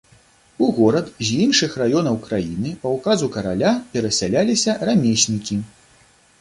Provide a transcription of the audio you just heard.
У горад з іншых раёнаў краіны па ўказу караля перасяляліся рамеснікі.